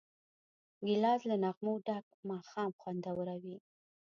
ګیلاس له نغمو ډک ماښام خوندوروي.